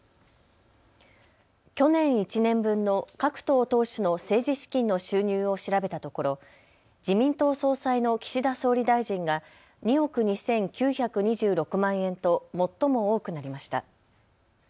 去年１年分の各党党首の政治資金の収入を調べたところ自民党総裁の岸田総理大臣が２億２９２６万円と最も多くなりました。